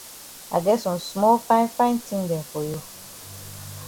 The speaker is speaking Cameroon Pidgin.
I get some small fine fine tin dem for you.